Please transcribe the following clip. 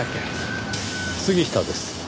杉下です。